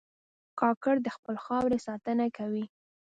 کاکړ د خپلې خاورې ساتنه کوي.